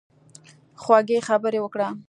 خوږې خبرې وکړه.